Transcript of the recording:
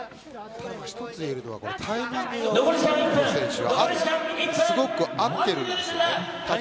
ただ、１ついえるのはタイミングが扇久保選手がすごく合っているんですよね。